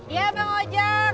iya bang ojar